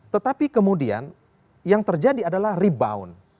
tetapi kemudian yang terjadi adalah rebound